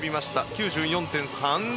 ９４．３５。